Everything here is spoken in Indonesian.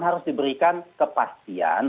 harus diberikan kepastian